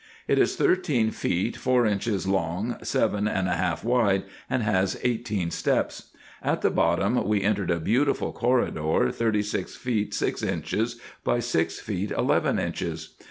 It is thirteen feet four inches long, seven and a half wide, and has eighteen steps. At the bottom we entered a beautiful corridor, thirty six feet six inches by six feet eleven inches.